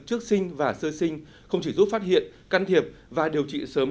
trước sinh và sơ sinh không chỉ giúp phát hiện can thiệp và điều trị sớm